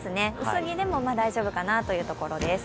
薄着でも大丈夫かなというところです。